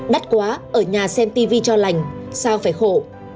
đắt quá ở nhà xem tv cho lành sao phải khổ